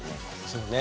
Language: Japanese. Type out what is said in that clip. そうね。